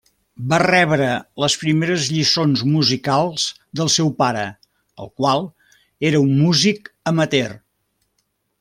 Va rebre les primeres lliçons musicals del seu pare, el qual era un músic amateur.